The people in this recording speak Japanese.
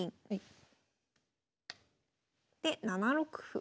で７六歩。